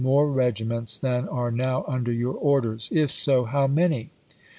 Thomas to more regiments than are now under your orders ; Bueii, if so, how many?"